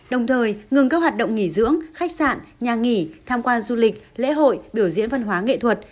đồng thời ngừng các hoạt động nghỉ dưỡng khách sạn nhà nghỉ tham quan du lịch lễ hội biểu diễn văn hóa nghệ thuật